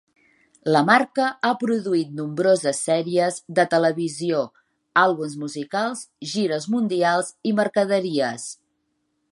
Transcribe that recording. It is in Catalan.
La marca ha produït nombroses sèries de televisió, àlbums musicals, gires mundials i mercaderies.